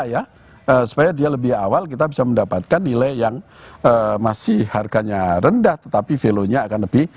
supaya dia lebih awal kita bisa mendapatkan nilai yang masih harganya rendah tetapi value nya akan lebih